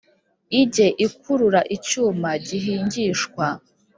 ijye ikurura icyuma gihingishwa.